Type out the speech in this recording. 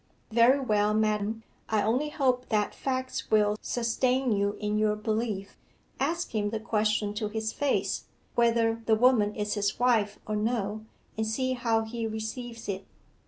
'Very well, madam. I only hope that facts will sustain you in your belief. Ask him the question to his face, whether the woman is his wife or no, and see how he receives it.